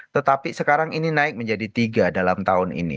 tetapi sekarang ini naik menjadi tiga dalam tahun ini